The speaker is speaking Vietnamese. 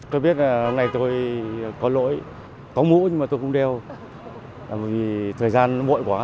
tôi biết là hôm nay tôi có lỗi có mũ nhưng mà tôi không đeo vì thời gian bội quá